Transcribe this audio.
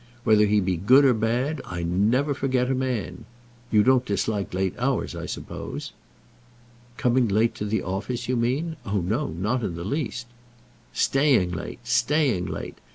Whether he be good or bad, I never forget a man. You don't dislike late hours, I suppose." "Coming late to the office, you mean? Oh, no, not in the least." "Staying late, staying late.